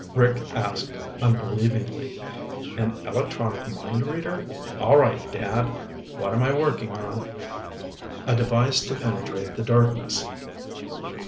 Rick asked unbelievingly, "An electronic mind reader? All right, Dad, what am I working on?" "A device to penetrate the darkness."